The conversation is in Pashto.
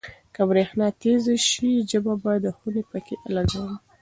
که برېښنا تېزه شي، زه به د خونې پکۍ لګوم.